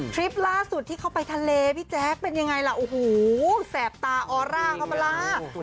คลิปล่าสุดที่เข้าไปทะเลพี่แจ๊คเป็นยังไงล่ะโอ้โหแสบตาออร่าเข้ามาล่ะ